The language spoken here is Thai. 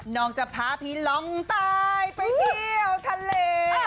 น้องจะพาพี่ลองตายไปเที่ยวทะเล